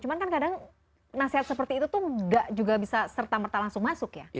cuman kan kadang nasihat seperti itu tuh gak juga bisa serta merta langsung masuk ya